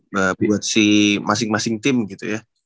buat si masing masing tim gitu ya